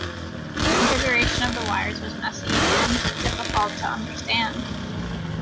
The configuration of the wires was messy and difficult to understand.